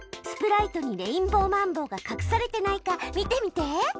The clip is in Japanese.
スプライトにレインボーマンボウがかくされてないか見てみて！